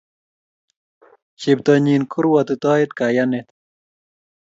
Cheptonyi karuotitoet kayanet